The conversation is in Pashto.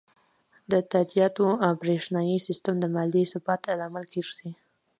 د تادیاتو بریښنایی سیستم د مالي ثبات لامل ګرځي.